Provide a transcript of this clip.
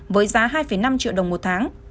với giá hai năm triệu đồng một tháng